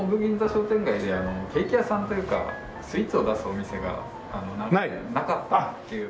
商店街でケーキ屋さんというかスイーツを出すお店がなかったっていう。